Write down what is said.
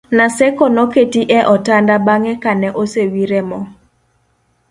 Naseko noketi e otanda bang'e ka ne osewire mo